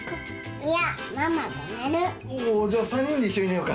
いや、じゃあ、３人で一緒に寝よか。